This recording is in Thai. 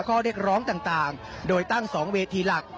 ข้อเรียกร้องต่างโดยตั้ง๒เวทีหลัก